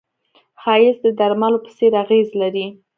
ښایست د درملو په څېر اغېز لري